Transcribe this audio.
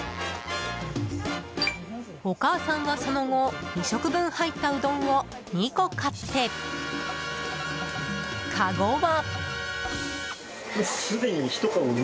お母さんは、その後２食分入ったうどんを２個買ってかごは。